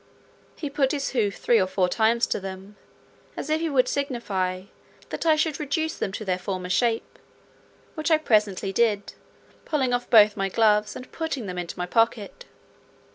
He put his hoof three or four times to them, as if he would signify, that I should reduce them to their former shape, which I presently did, pulling off both my gloves, and putting them into my pocket.